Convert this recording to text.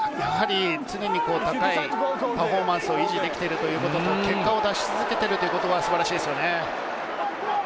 常に高いパフォーマンスを維持できている、結果を出し続けていることが素晴らしいですよね。